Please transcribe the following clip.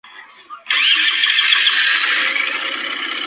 El texto es el propio de la misa católica de difuntos.